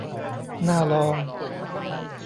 น่าลอง